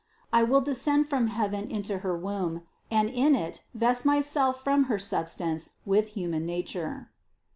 I will descend from heaven into her womb and in it vest Myself from her substance with human nature."